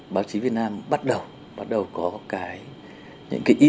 báo chí việt nam bắt đầu có những kỹ thuật